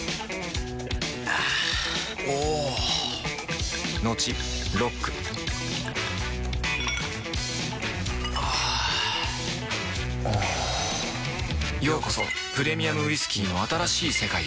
あぁおぉトクトクあぁおぉようこそプレミアムウイスキーの新しい世界へ